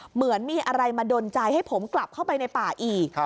เหมือนมีอะไรมาดนใจให้ผมกลับเข้าไปในป่าอีก